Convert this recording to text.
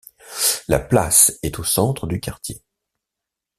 La place est au centre du quartier.